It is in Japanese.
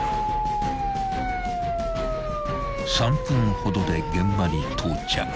［３分ほどで現場に到着］